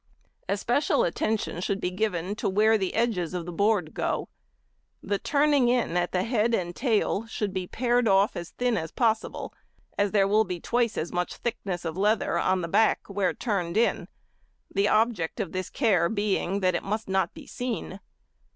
Especial attention should be given to where the edges of the board go. The turning in at the head and tail should be pared off as thin as possible, as there will be twice as much thickness of leather on the back where turned in, the object of this care being, that it must not be seen.